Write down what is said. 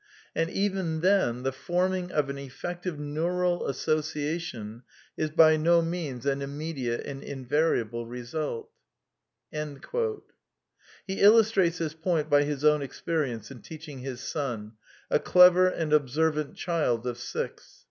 And even then, the forming of an effective neural as sociation is by no means an immediate and invariable re* suit. .•." He illustrates this point by his own experience in teach ing his son, a clever and observant child of six.